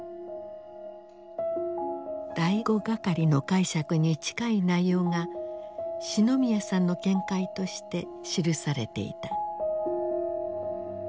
第五係の解釈に近い内容が四ノ宮さんの見解として記されていた。